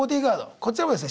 こちらもですね